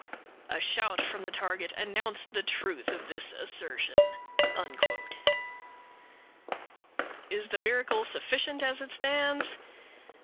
"A shout from the target announced the truth of this assertion." Is the miracle sufficient as it stands?